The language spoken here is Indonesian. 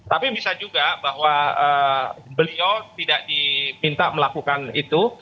tapi bisa juga bahwa beliau tidak diminta melakukan itu